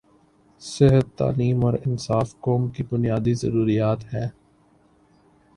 صحت، تعلیم اور انصاف قوم کی بنیادی ضروریات ہیں۔